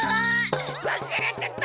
わすれてた！